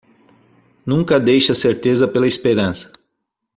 Nunca deixe a certeza pela esperança